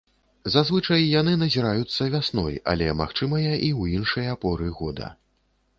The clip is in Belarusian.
Зазвычай, яны назіраюцца вясной, але магчымыя і ў іншыя поры года.